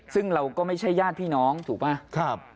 ซึ่งเราก็ไม่ใช่ญาติพี่น้องถูกป่ะ